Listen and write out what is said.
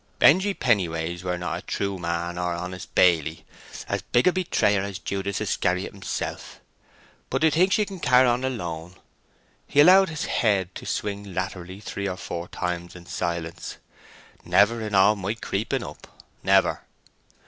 "Benjy Pennyways were not a true man or an honest baily—as big a betrayer as Judas Iscariot himself. But to think she can carr' on alone!" He allowed his head to swing laterally three or four times in silence. "Never in all my creeping up—never!"